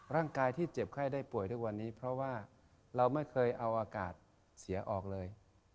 ร่างกายที่เจ็บไข้ได้ป่วยทุกวันนี้เพราะว่าเราไม่เคยเอาอากาศเสียออกเลย